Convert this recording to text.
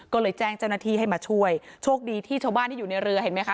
ก็เลยแจ้งเจ้าหน้าที่ให้มาช่วยโชคดีที่ชาวบ้านที่อยู่ในเรือเห็นไหมคะ